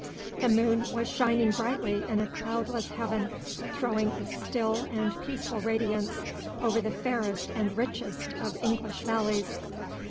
The moon was shining brightly in a cloudless heaven, throwing a still and peaceful radiance over the fairest and richest of English valleys.